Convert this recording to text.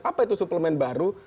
apa itu suplemen baru